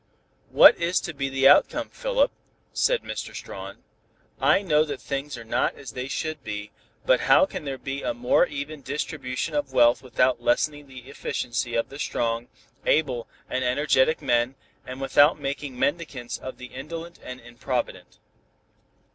"What is to be the outcome, Philip?" said Mr. Strawn. "I know that things are not as they should be, but how can there be a more even distribution of wealth without lessening the efficiency of the strong, able and energetic men and without making mendicants of the indolent and improvident?